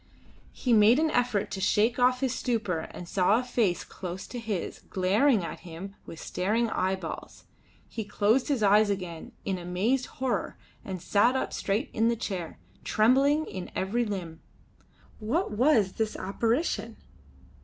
He made an effort to shake off his stupor and saw a face close to his, glaring at him with staring eyeballs. He closed his eyes again in amazed horror and sat up straight in the chair, trembling in every limb. What was this apparition?